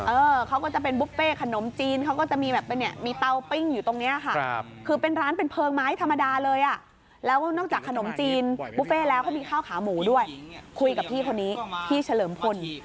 เออเขาก็จะเป็นบุฟเฟ่ขนมจีนเขาก็จะมีแบบเป็นเนี่ยมีเตาปิ้งอยู่ตรงนี้ค่ะคือเป็นร้านเป็นเพลิงไม้ธรรมดาเลยอ่ะแล้วนอกจากขนมจีนบุฟเฟ่แล้วเขามีข้าวขาหมูด้วยคุยกับพี่คนนี้พี่เฉลิมพล